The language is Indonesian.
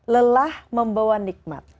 lelah membawa nikmat